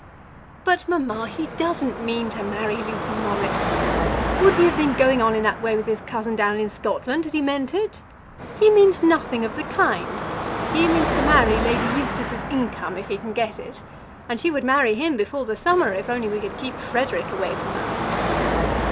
But, mamma, he doesn't mean to marry Lucy Morris. Would he have been going on in that way with his cousin down in Scotland had he meant it? He means nothing of the kind. He means to marry Lady Eustace's income if he can get it; and she would marry him before the summer if only we could keep Frederic away from her."